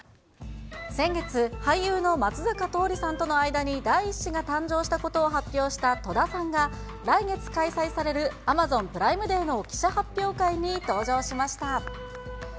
先月、俳優の松坂桃李さんとの間に第１子が誕生したことを発表した戸田さんが、来月開催されるアマゾンプライムデーの記者発表会に登場しました。